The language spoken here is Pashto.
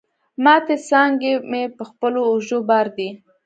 ماتي څانګي مي په خپلو اوږو بار دي